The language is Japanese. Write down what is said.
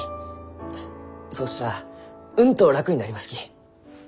そしたらうんと楽になりますき！